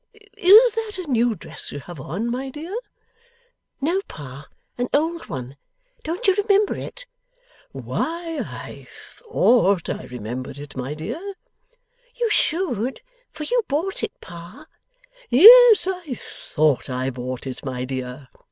Is that a new dress you have on, my dear?' 'No, Pa, an old one. Don't you remember it?' 'Why, I THOUGHT I remembered it, my dear!' 'You should, for you bought it, Pa.' 'Yes, I THOUGHT I bought it my dear!